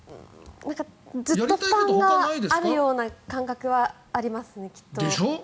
ずっと負担があるような感覚がありますねきっと。でしょ？